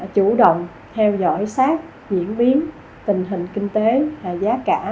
chủ động theo dõi sát diễn biến tình hình kinh tế giá cả